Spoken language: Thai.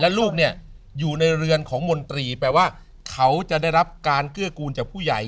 ลูกเนี่ยอยู่ในเรือนของมนตรีแปลว่าเขาจะได้รับการเกื้อกูลจากผู้ใหญ่